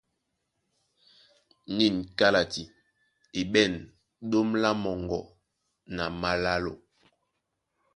Nîn kálati e ɓɛ̂n ɗóm lá moŋgo na málálo.